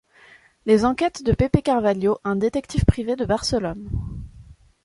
Les enquêtes de Pepe Carvalho, un détective privé de Barcelone.